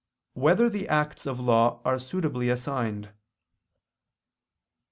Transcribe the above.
2] Whether the Acts of Law Are Suitably Assigned?